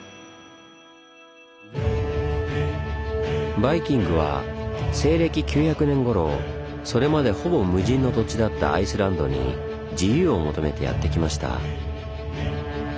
バイキングは西暦９００年頃それまでほぼ無人の土地だったアイスランドに自由を求めてやって来ました。